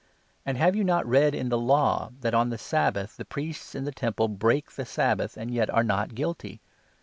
And have not you read in the Law that, 5 on the Sabbath, the priests in the Temple break the Sabbath and yet are not guilty?